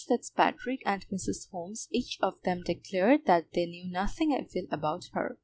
Fitzpatrick and Mrs. Holmes each of them declared that they knew nothing evil about her.